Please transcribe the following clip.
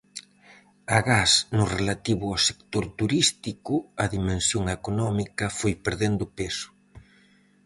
Agás no relativo ao sector turístico, a dimensión económica foi perdendo peso.